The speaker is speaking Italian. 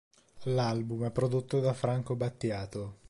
L'album è prodotto da Franco Battiato.